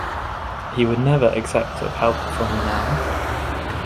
He would never accept of help from me now.